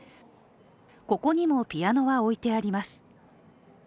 ここにもピアノが置いてあります。